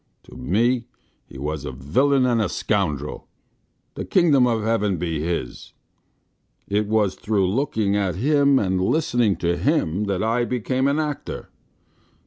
"To me he was a villain and a scoundrel the Kingdom of Heaven be his! It was through looking at him and listening to him that I became an actor.